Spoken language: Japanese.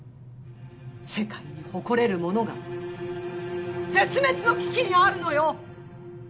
世界に誇れるものが絶滅の危機にあるのよ！